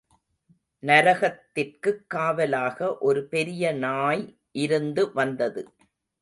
நரகத்திற்குக் காவலாக ஒரு பெரிய நாய் இருந்து வந்தது.